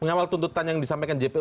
mengawal tuntutan yang disampaikan jpu